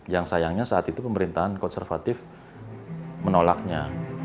yang sayangnya saat itu pemerintahan konservatif menolaknya